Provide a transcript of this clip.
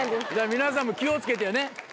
皆さんも気を付けてね。